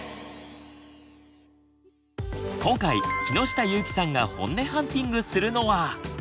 今回木下ゆーきさんがホンネハンティングするのは。